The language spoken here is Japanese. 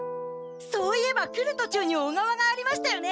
そういえば来るとちゅうに小川がありましたよね！